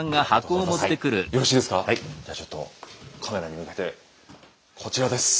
じゃあちょっとカメラに向けてこちらです。